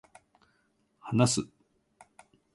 話す、